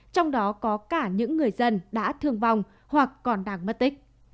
trong đó có cả những người dân đã thương vong hoặc còn đang mất tích